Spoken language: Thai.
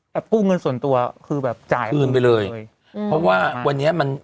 กู้เงินส่วนตัวคือแบบจ่ายคืนไปเลยอืมเพราะว่าวันนี้มัน